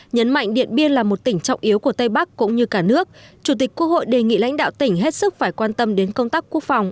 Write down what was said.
nhấn mạnh điện biên là một tỉnh trọng yếu của tây bắc cũng như cả nước chủ tịch quốc hội đề nghị lãnh đạo tỉnh hết sức phải quan tâm đến công tác quốc phòng